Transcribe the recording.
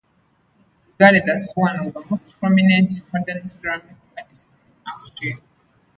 He is regarded as one of the most prominent modern ceramics artists in Austria.